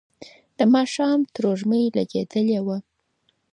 د ماښام تروږمۍ لګېدلې وه.